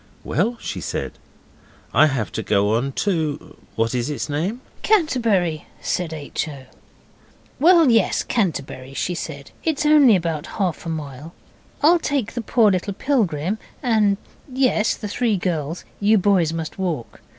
'Well,' she said, 'I have to go on to what is its name?' 'Canterbury,' said H. O. 'Well, yes, Canterbury,' she said; 'it's only about half a mile. I'll take the poor little pilgrim and, yes, the three girls. You boys must walk.